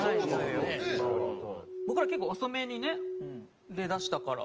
僕ら結構遅めにね出だしたから。